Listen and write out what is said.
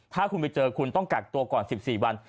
ถ้าคุณไปเจอคุณต้องกักตัวก่อน๑๔วัน